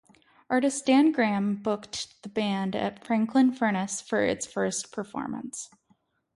Artist Dan Graham booked the band at Franklin Furnace for its first performance.